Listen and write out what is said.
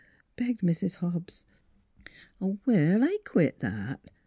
" begged Mrs. Hobbs. " Well, I quit that.